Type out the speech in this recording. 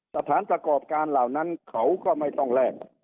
สถานประกอบการเหล่านั้นเขาก็ไม่ต้องแลก